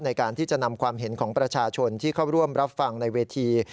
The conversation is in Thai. ในการที่จะนำความเห็นของประชาชนที่เข้าร่วมรับฟังในเวที